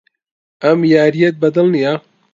ئەم یارییەت بەدڵ نییە.